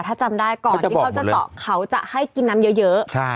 ถ้าจำได้ก่อนที่เขาจะเจาะเขาจะให้กินน้ำเยอะ